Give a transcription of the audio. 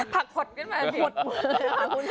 ผักหดขึ้นมาดี